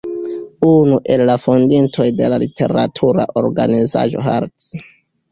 Unu el la fondintoj de literatura organizaĵo "Hart'.